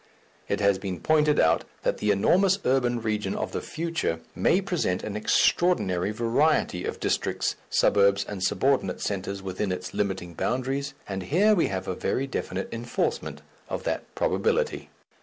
It has been pointed out that the enormous urban region of the future may present an extraordinary variety of districts, suburbs, and subordinate centres within its limiting boundaries, and here we have a very definite enforcement of that probability.